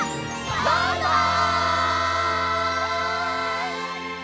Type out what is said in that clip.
バイバイ！